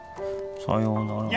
さようなら